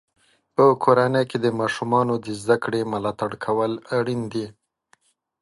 په کورنۍ کې د ماشومانو د زده کړې ملاتړ کول اړین دی.